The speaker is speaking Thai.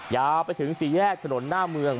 ยาวไปถึงสี่แยกถนนหน้าเมือง